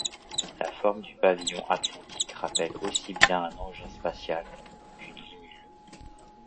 La forme du Pavillon atlantique rappelle aussi bien un engin spatial qu’une limule.